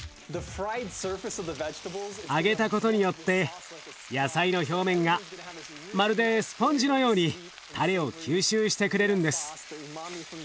揚げたことによって野菜の表面がまるでスポンジのようにたれを吸収してくれるんです。